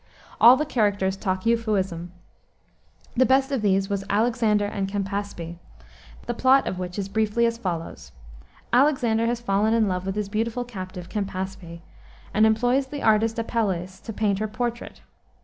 All the characters talk Euphuism. The best of these was Alexander and Campaspe, the plot of which is briefly as follows. Alexander has fallen in love with his beautiful captive, Campaspe, and employs the artist Apelles to paint her portrait.